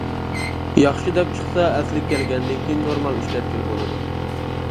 ياخشى دەپ چىقسا ئەسلىگە كەلگەندىن كېيىن نورمال ئىشلەتكىلى بولىدۇ.